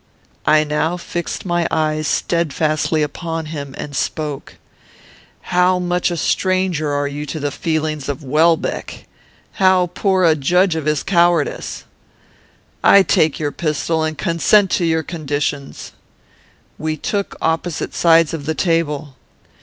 "I now fixed my eyes steadfastly upon him, and spoke: 'How much a stranger are you to the feelings of Welbeck! How poor a judge of his cowardice! I take your pistol, and consent to your conditions.' "We took opposite sides of the table.